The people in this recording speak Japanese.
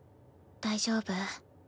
大丈夫？